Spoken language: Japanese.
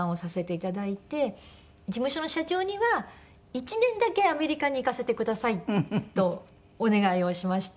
事務所の社長には１年だけアメリカに行かせてくださいとお願いをしまして。